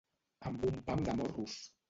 Amb un pam de morros.